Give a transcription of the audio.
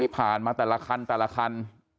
ผ่านมาแต่ละคันแต่ละคัน